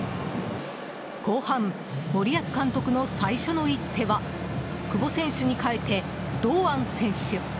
後半、森保監督の最初の一手は久保選手に代えて堂安選手。